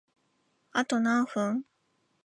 あと何分？